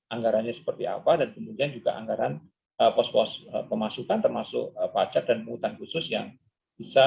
anggarannya seperti apa dan kemudian juga anggaran pos pos pemasukan termasuk pajak dan penghutang khusus yang bisa